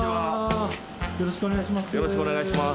よろしくお願いします。